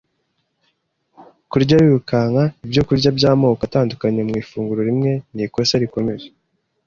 Kurya wirukanka ibyokurya by’amoko atandukanye mu ifunguro rimwe ni ikosa rikomeye.